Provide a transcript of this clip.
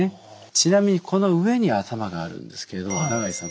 ちなみにこの上に頭があるんですけれども永井さん